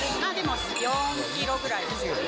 ４キロぐらいですよね。